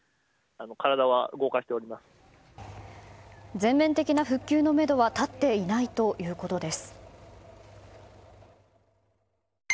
全面的な復旧のめどは立っていないということです。